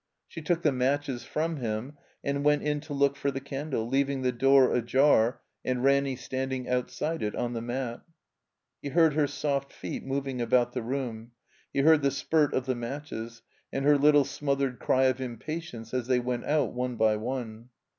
She took the matches from him and went in to look for the candle, leaving the door ajar and Ranny standing outside it on the mat. He heard her soft feet moving about the room; he heard the spurt of the matches, and her little smothered cry of impatience as they went out one by one.